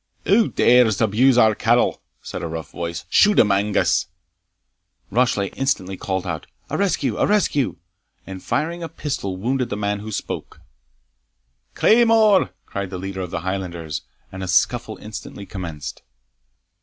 "Who dare abuse our cattle?" said a rough voice. "Shoot him, Angus!" Rashleigh instantly called out "A rescue! a rescue!" and, firing a pistol, wounded the man who spoke. "Claymore!" cried the leader of the Highlanders, and a scuffle instantly commenced.